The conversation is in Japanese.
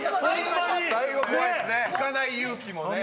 行かない勇気もね。